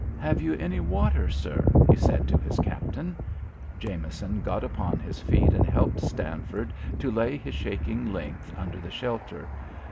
"Have you any water, sir?" he said to his Captain. Jameson got upon his feet and helped Stanford to lay his shaking length under the shelter.